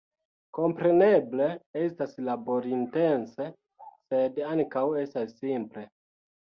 Kompreneble estas laborintense, sed ankaŭ estas simple.